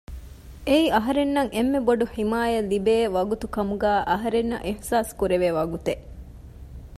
އެއީ އަހަރެންނަށް އެންމެ ބޮޑު ޙިމާޔަތް ލިބޭ ވަގުތު ކަމުގައި އަހަރެންނަށް އިޙްސާސް ކުރެވޭ ވަގުތެއް